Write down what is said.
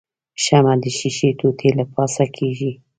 شمع د ښيښې ټوټې له پاسه کیږدئ.